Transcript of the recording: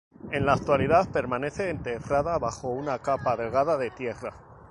En la actualidad permanece enterrada bajo una capa delgada de tierra.